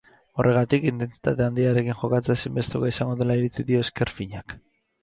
Horregatik, intentsitate handiarekin jokatzea ezinbestekoa izango dela iritzi dio ezker finak.